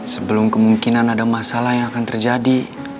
sebelum kemungkinan ada masalah yang akan terjadi